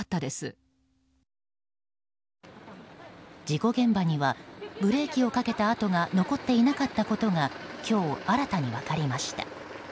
事故現場にはブレーキをかけた痕が残っていたことが今日、新たに分かりました。